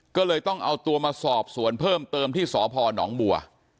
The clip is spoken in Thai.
ก็เลยต้องเอาตัวมาสอบสวนเพิ่มเติมที่สพนบัว